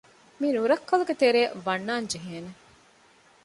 މި ނުރައްކަލުގެ ތެރެއަށް ވަންނާން ޖެހޭނެ